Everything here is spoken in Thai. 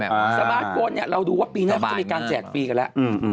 สมาร์ทโฟนเนี่ยเราดูว่าปีหน้าเขาจะมีการแจกฟรีกันแล้ว